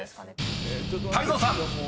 ［泰造さん］